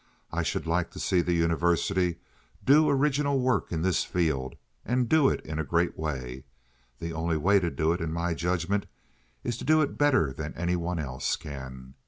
I should like to see the University do original work in this field, and do it in a great way. The only way to do it, in my judgment, is to do it better than any one else can.